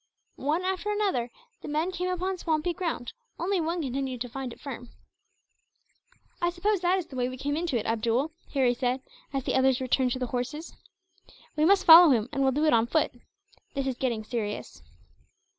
One after another, the men came upon swampy ground; one only continued to find it firm. "I suppose that that is the way we came into it, Abdool," Harry said, as the others returned to the horses. "We must follow him, and will do it on foot. This is getting serious."